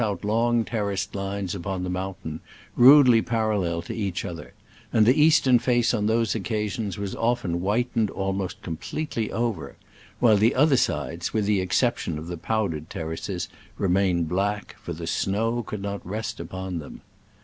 When snow fell in the summer time, it brought out long terraced lines upon the mountain, rudely parallel to each other ; and the eastern face on those occasions was often whitened al most completely over; while the other sides, with the exception of the powder ed terraces, remained black, for the snow could not rest upon them.